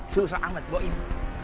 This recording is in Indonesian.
susah amat bawa ini